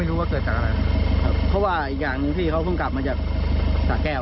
เพราะว่าอีกอย่างอย่างที่มันก็คึงกลับมาจากสระแก้ว